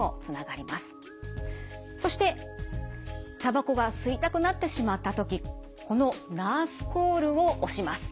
そしてたばこが吸いたくなってしまった時このナースコールを押します。